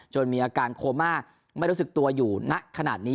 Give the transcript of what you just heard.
มีอาการโคม่าไม่รู้สึกตัวอยู่ณขนาดนี้